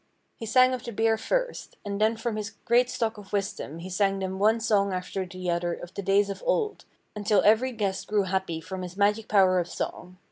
He sang of the beer first, and then from his great stock of wisdom he sang them one song after the other of the days of old, until every guest grew happy from his magic power of song.